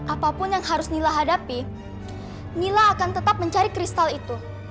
apapun yang harus nila hadapi nila akan tetap mencari kristal itu